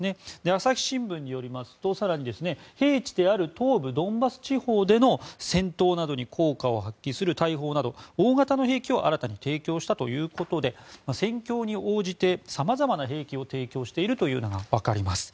朝日新聞によりますと更に平地である東部ドンバス地方での戦闘などに効果を発揮する大砲など大型の兵器を新たに提供したということで戦況に応じて様々な兵器を提供しているというのがわかります。